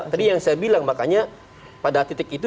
tadi yang saya bilang makanya pada titik itu